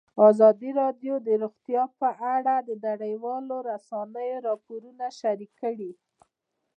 ازادي راډیو د روغتیا په اړه د نړیوالو رسنیو راپورونه شریک کړي.